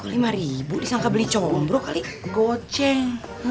kok lima ribu disangka beli combro kali goceng